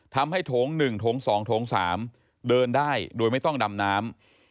โถง๑โถง๒โถง๓เดินได้โดยไม่ต้องดำน้ำ